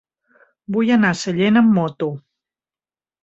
Vull anar a Sellent amb moto.